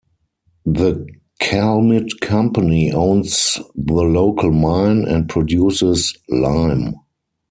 The Calmit company owns the local mine and produces lime.